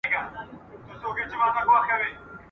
ښځه په کار دی په کوشنيوالي کي